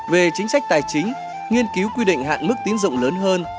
về chính sách tài chính nghiên cứu quy định hạn mức tín dụng lớn hơn